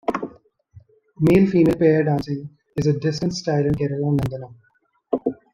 Male-female pair dancing is a distinct style in Kerala Nadanam.